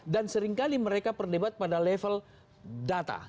dan seringkali mereka perdebat pada level data